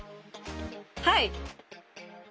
はい。